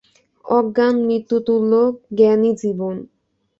অজ্ঞান মৃত্যুতুল্য, জ্ঞানই জীবন।